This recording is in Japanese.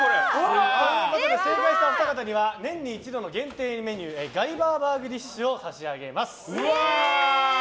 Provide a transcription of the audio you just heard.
正解したお二方には年に一度の限定メニューガリバーバーグディッシュを差し上げます。